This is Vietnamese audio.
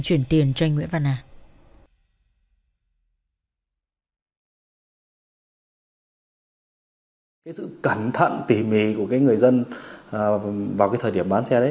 chuyển tiền cho anh nguyễn văn a ừ ừ ở cái sự cẩn thận tỉ mì của các người dân vào cái thời điểm bán xe cũ ở hà nội